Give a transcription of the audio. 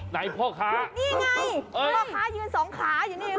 ไหนพ่อค้านี่ไงเพราะว่าค้ายืนสองขาอยู่นี่